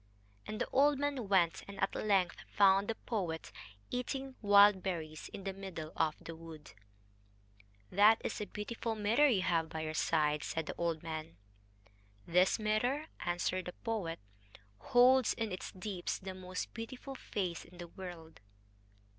And the old man went, and at length found the poet eating wild berries in the middle of the wood. "That is a beautiful mirror you have by your side," said the old man. "This mirror," answered the poet, "holds in its deeps the most beautiful face in the world."